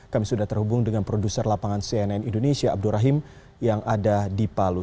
kami sudah terhubung dengan produser lapangan cnn indonesia abdur rahim yang ada di palu